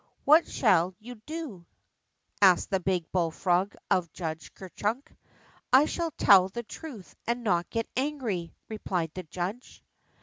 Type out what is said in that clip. What shall you do ?" asked a big bullfrog of Judge Ker Chunk. I shall tell the truth and not get angry," re plied the judge.